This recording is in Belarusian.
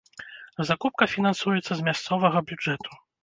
Закупка фінансуецца з мясцовага бюджэту.